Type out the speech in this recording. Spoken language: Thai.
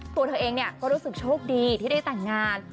ตัวเธอเองก็รู้สึกโชคดีที่ได้แต่งงาน